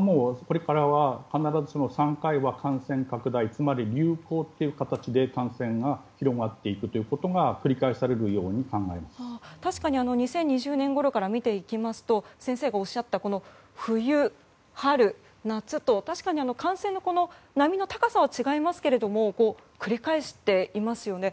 これからは３回は感染拡大、つまり流行という形で感染が広がっていくということが繰り返されるように確かに２０２０年ごろから見ていきますと先生がおっしゃった冬、春、夏と確かに感染の波の高さは違いますが繰り返していますよね。